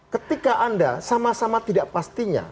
ketika anda sama sama tidak pastinya